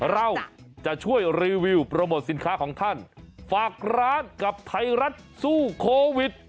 เราจะช่วยรีวิวโปรโมทสินค้าของท่านฝากร้านกับไทยรัฐสู้โควิด